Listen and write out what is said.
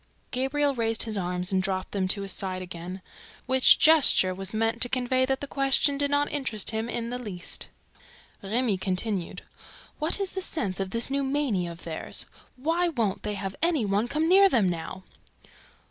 Gabriel raised his arms and dropped them to his sides again, which gesture was meant to convey that the question did not interest him in the least. Remy continued: "What is the sense of this new mania of theirs? WHY WON'T THEY HAVE ANY ONE COME NEAR THEM NOW?"